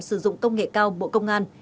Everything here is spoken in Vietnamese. sử dụng công nghệ cao bộ công an